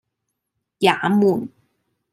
也門